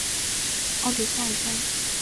奥比萨尔盖。